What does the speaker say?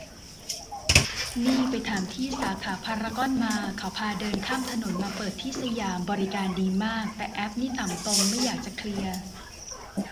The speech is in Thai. นี่ไปถามที่ สาขาพารากอนมา เขาพาเดินข้ามถนนมาเปิดที่สยาม บริการดีมากแต่แอป นี่ต่ำตมไม่อยากจะเคลียร์